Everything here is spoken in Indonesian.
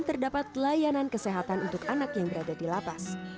terdapat layanan kesehatan untuk anak yang berada di lapas